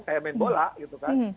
kayak main bola gitu kan